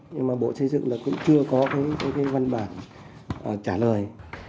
nhưng bộ xây dựng cũng chưa có văn bản trả lời